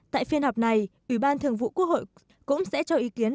tại phiên họp này ủy ban thường vụ quốc hội cũng sẽ cho ý kiến